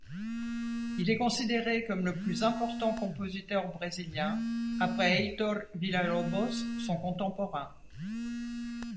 Il est considéré comme le plus important compositeur brésilien après Heitor Villa-Lobos, son contemporain.